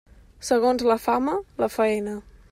Segons la fama, la faena.